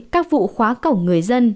các vụ khóa cổng người dân